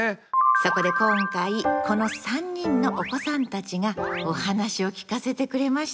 そこで今回この３人のお子さんたちがお話を聞かせてくれました。